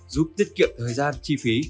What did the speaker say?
giúp tiết kiệm thời gian chi phí